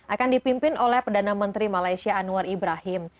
akan dipimpin oleh perdana menteri malaysia anwar ibrahim